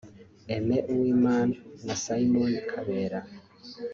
Aime Uwimana na Simon Kabera